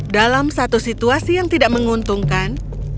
dalam satu situasi yang tidak menguntungkan